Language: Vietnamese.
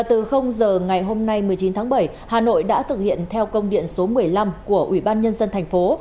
từ giờ ngày hôm nay một mươi chín tháng bảy hà nội đã thực hiện theo công điện số một mươi năm của ủy ban nhân dân thành phố